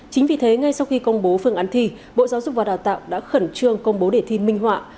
chính vì thế ngay sau khi công bố phương án thi bộ giáo dục và đào tạo đã khẩn trương công bố đề thi minh họa